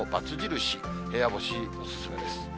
部屋干しお勧めです。